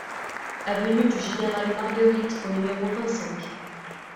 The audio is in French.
Avenue du Général Margueritte au numéro vingt-cinq